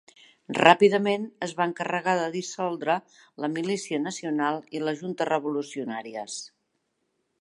Ràpidament es va encarregar de dissoldre la Milícia Nacional i les Juntes revolucionàries.